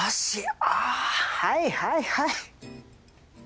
あはいはいはい。